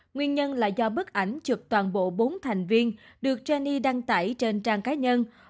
nguyên nhân là do bức ảnh chụp toàn bộ bốn thành viên được geny đăng tải trên trang cá nhân